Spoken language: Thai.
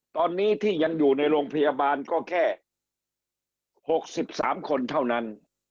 ตอนนี้ที่ยังอยู่ในโรงพยาบาลก็แค่๖๓คนเท่านั้น